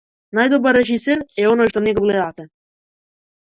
Најдобар режисер е оној што не го гледате.